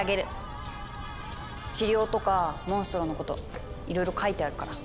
治療とかモンストロのこといろいろ書いてあるから。